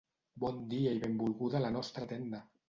Bon dia i benvolguda a la nostra tenda!